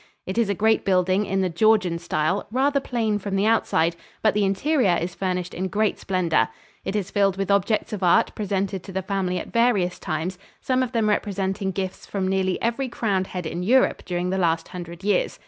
It is a great building in the Georgian style, rather plain from the outside, but the interior is furnished in great splendor. It is filled with objects of art presented to the family at various times, some of them representing gifts from nearly every crowned head in Europe during the last hundred years.